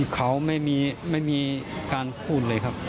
เขาไม่มีการพูดเลยครับ